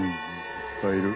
いっぱいいる。